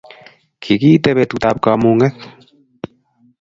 Kikiite betut ab kamunget